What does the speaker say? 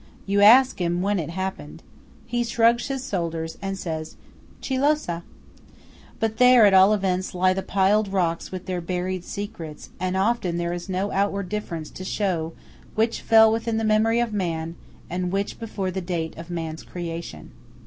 You ask him when it happened. He shrugs his shoulders, and answers "Chi lo sa?" But there, at all events, lie the piled rocks with their buried secrets, and often there is no outward difference to show which fell within the memory of man, and which before the date of man's creation.